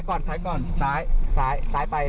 โอเคโอเคจะได้ไหม